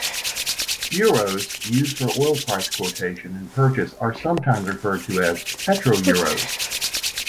Euros used for oil price quotation and purchase are sometimes referred to as petroeuros.